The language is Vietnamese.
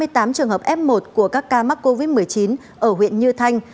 hai mươi tám trường hợp f một của các ca mắc covid một mươi chín ở huyện như thanh